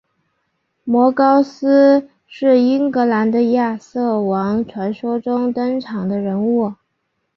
摩高斯是英格兰的亚瑟王传说中登场的人物。